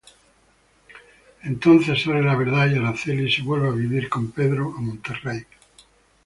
Entonces sale la verdad y Araceli se fue a vivir con Pedro a Monterrey.